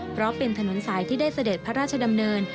เพราะเป็นถนนสายที่ได้เสด็จพระราชดำเนิน